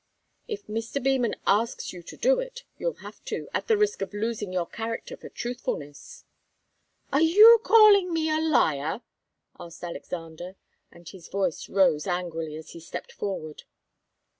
"If Mr. Beman asks you to do it, you'll have to at the risk of losing your character for truthfulness." "Are you calling me a liar?" asked Alexander, and his voice rose angrily as he stepped forward.